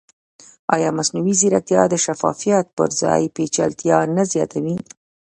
ایا مصنوعي ځیرکتیا د شفافیت پر ځای پېچلتیا نه زیاتوي؟